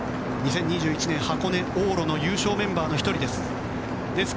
２０２１年、箱根往路の優勝メンバーの１人です。